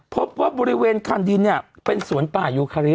พบว่าบริเวณคันดินเนี่ยเป็นสวนป่ายูคาริ